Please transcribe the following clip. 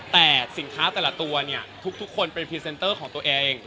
แต่สินค้าแต่ละตัวเนี่ยทุกคนเป็นพรีเซนเตอร์ของตัวเอง